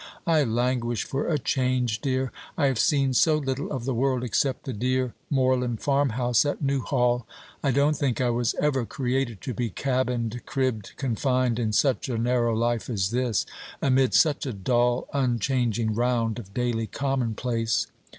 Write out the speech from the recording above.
I languish for a change, dear. I have seen so little of the world, except the dear moorland farmhouse at Newhall. I don't think I was ever created to be "cabined, cribbed, confined," in such a narrow life as this, amid such a dull, unchanging round of daily commonplace.